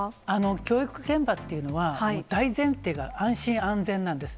教育現場っていうのは、大前提が、安心安全なんです。